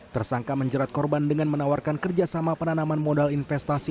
tersangka menjerat korban dengan menawarkan kerjasama penanaman modal investasi